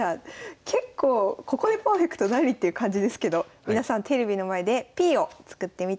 結構ここでパーフェクト何？っていう感じですけど皆さんテレビの前でＰを作ってみてください。